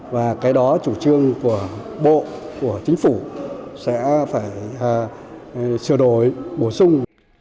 và cái đó chủ trương của bộ của chính phủ sẽ phải sửa đổi bổ sung